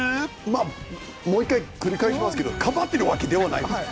まあもう１回繰り返しますけどかばってるわけではないです。